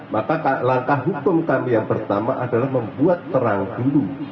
maka langkah hukum kami yang pertama adalah membuat terang dulu